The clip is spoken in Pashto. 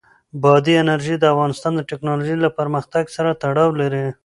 بادي انرژي د افغانستان د تکنالوژۍ له پرمختګ سره تړاو لري.